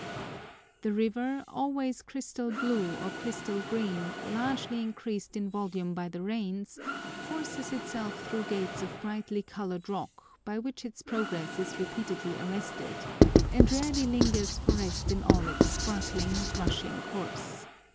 The river, always crystal blue or crystal green, largely increased in volume by the rains, forces itself through gates of brightly coloured rock, by which its progress is repeatedly arrested, and rarely lingers for rest in all its sparkling, rushing course.